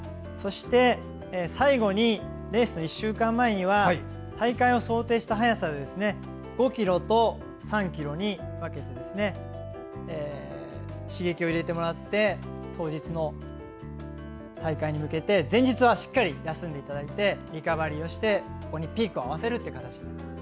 最後に、レースの１週間前には大会を想定した速さで５ｋｍと３ｋｍに分けて刺激を入れてもらって当日の大会に向けて前日はしっかり休んでいただいてリカバリーをしてここにピークを合わせるという感じです。